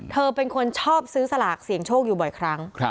เธอเป็นคนชอบซื้อสลากเสี่ยงโชคอยู่บ่อยครั้ง